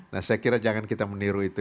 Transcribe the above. nah saya kira jangan kita meniru itu